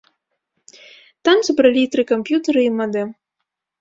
Там забралі тры камп'ютары і мадэм.